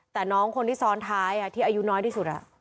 แต่น้องคนที่ซ้อนท้ายที่อายุน้อยที่สุด